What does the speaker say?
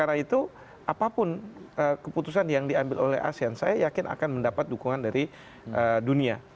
karena itu apapun keputusan yang diambil oleh asean saya yakin akan mendapat dukungan dari dunia